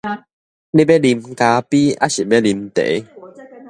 你欲啉咖啡抑是欲啉茶？